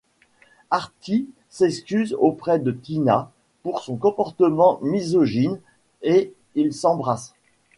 Artie s'excuse auprès de Tina pour son comportement misogyne et ils s'embrassent.